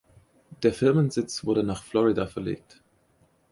Der Firmensitz wurde nach Florida verlegt.